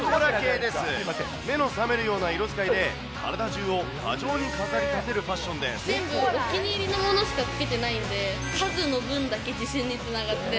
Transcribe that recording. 目の覚めるような色使いで体中を過剰に飾り立てるファッションで全部お気に入りのものしかつけてないんで、数の分だけ自信につながって。